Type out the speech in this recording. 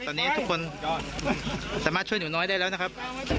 ตอนนี้ทุกคนก็สามารถช่วยหนูน้อยได้แล้วนะครับ